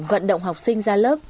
vận động học sinh ra lớp